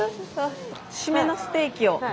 シメのステーキを。